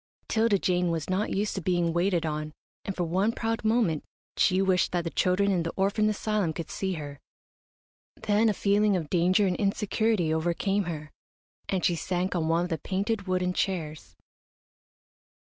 'Tilda Jane was not used to being waited on, and for one proud moment she wished that the children in the orphan asylum could see her. Then a feeling of danger and insecurity overcame her, and she sank on one of the painted, wooden chairs.